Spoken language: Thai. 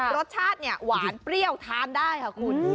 รสชาติเนี่ยหวานเปรี้ยวทานได้ค่ะคุณ